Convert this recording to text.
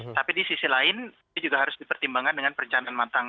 tapi di sisi lain ini juga harus dipertimbangkan dengan perencanaan matang